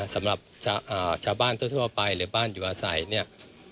สำหรับชาวบ้านทั่วไปหรือบ้านอยู่อาศัยเนี่ย